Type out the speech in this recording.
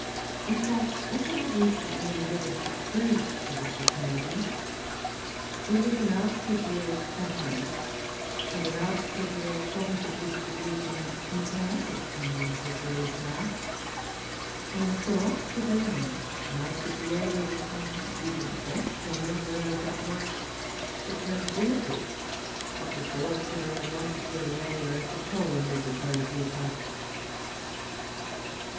In fact, as I have recently endeavoured to prove to the Society, there was an Arctogaeal continent and an Arctogaeal province of distribution in Triassic times as there is now; and the Sauropsida and Marsupialia which constituted that fauna were, I doubt not, the progenitors of the Sauropsida and Marsupialia of the whole Mesozoic epoch.